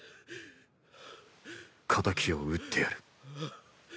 敵を討ってやる。